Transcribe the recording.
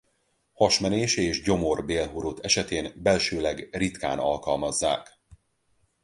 Hasmenés és gyomor-bélhurut esetén belsőleg ritkán alkalmazzák.